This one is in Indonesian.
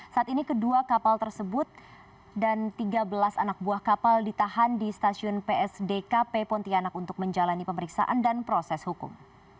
saat ini kedua kapal tersebut dan tiga belas anak buah kapal ditahan di stasiun psdkp pontianak untuk menjalani pemeriksaan dan proses hukum